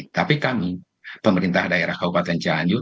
tapi kami pemerintah daerah kabupaten cianjur